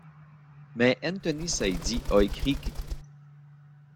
Mais Anthony Saidy a écrit qu'.